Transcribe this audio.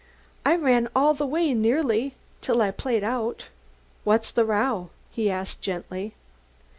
I ran all the way, nearly, till I played out." "What's the row?" he asked gently.